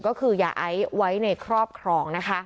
ก็คือยาไอซ์ไว้ในครอบครองนะคะ